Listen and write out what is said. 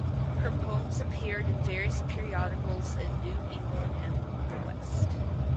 Her poems appeared in various periodicals in New England and the West.